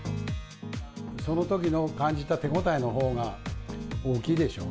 そのときの感じた手応えのほうが大きいでしょう。